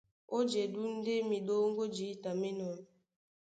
Ó jedú ndé miɗóŋgó jǐta mí enɔ́.